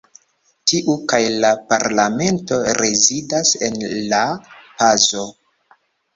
Tiu kaj la parlamento rezidas en La-Pazo.